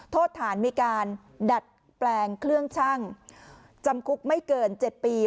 โทษฐานมีการดัดแปลงเครื่องชั่งจำคุกไม่เกิน๗ปี